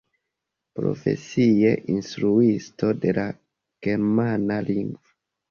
Profesie instruisto de la germana lingvo.